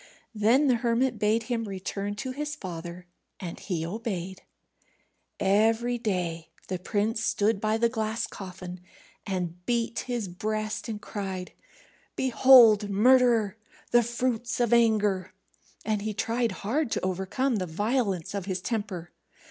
Then the hermit bade him return to his father, and he obeyed. Every day the prince stood by the glass coffin, and beat his breast and cried, "Behold, murderer, the fruits of anger!" And he tried hard to overcome the violence of his temper.